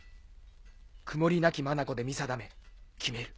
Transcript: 曇りなき眼で見定め決める。